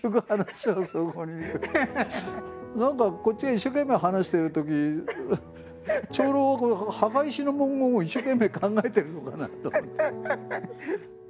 何かこっちが一生懸命話してるとき長老は墓石の文言を一生懸命考えてるのかなと思って。